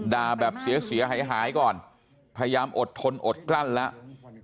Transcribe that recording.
แบบเสียหายหายก่อนพยายามอดทนอดกลั้นแล้ว